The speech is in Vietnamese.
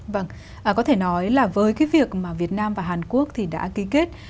vâng có thể nói là với cái việc mà việt nam và hàn quốc thì đã ký kết